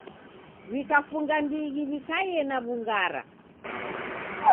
W'ikafunga ndighi w'ikaie na w'ungara.